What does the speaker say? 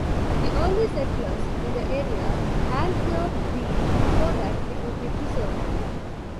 The early settlers in the area air-cured beef so that it would be preserved.